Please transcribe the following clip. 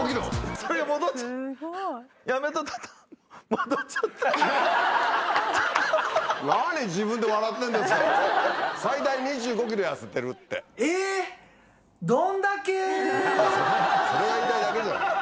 それやりたいだけじゃん。